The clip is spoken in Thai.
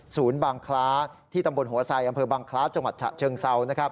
ศูนย์บางคลาที่ตำบลโหวศัยอำเผยบางคลาจังหวัดชะเชิงเศา